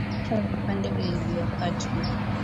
Osha vipande vilivyokatwa